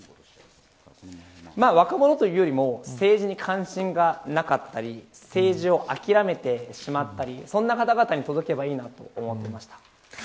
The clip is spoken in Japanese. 若者というよりも政治に関心がなかったり政治を諦めてしまっている方々に届けばいいなと思いました。